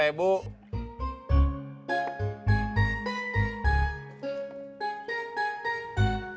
rapet biasa rp lima